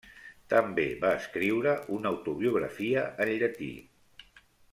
També va escriure una autobiografia en llatí.